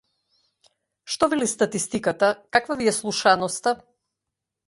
Што вели статистиката, каква ви е слушаноста?